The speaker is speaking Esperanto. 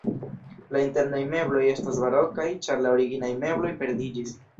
La internaj mebloj estas barokaj, ĉar la originaj mebloj perdiĝis.